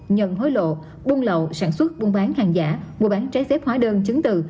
nhận hối lộ buôn lậu sản xuất buôn bán hàng giả mua bán trái phép hóa đơn chứng từ